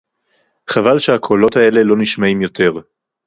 חבל שהקולות האלה לא נשמעים יותר